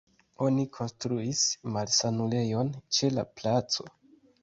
Oni konstruis malsanulejon ĉe la placo.